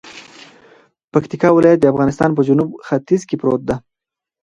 پکتيا ولايت د افغانستان په جنوت ختیځ کی پروت ده